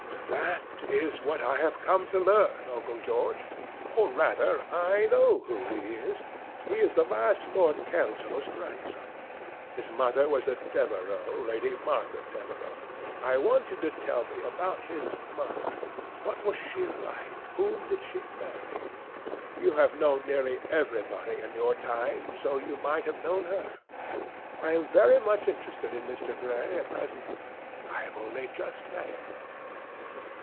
"That is what I have come to learn, Uncle George. Or rather, I know who he is. He is the last Lord Kelso's grandson. His mother was a Devereux, Lady Margaret Devereux. I want you to tell me about his mother. What was she like? Whom did she marry? You have known nearly everybody in your time, so you might have known her. I am very much interested in Mr. Gray at present. I have only just met him."